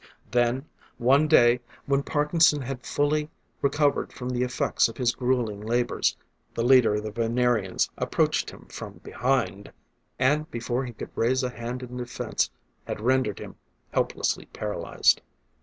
Then, one day when Parkinson had fully recovered from the effects of his grueling labors, the leader of the Venerians approached him from behind, and before he could raise a hand in defense, had rendered him helplessly paralyzed.